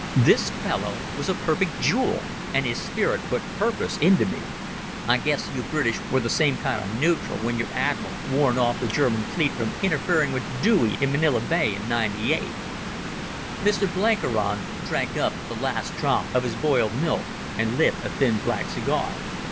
This fellow was a perfect jewel, and his spirit put purpose into me. "I guess you British were the same kind of nootral when your Admiral warned off the German fleet from interfering with Dewey in Manila Bay in '98." Mr Blenkiron drank up the last drop of his boiled milk and lit a thin black cigar.